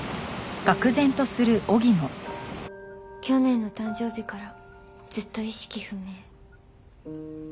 去年の誕生日からずっと意識不明。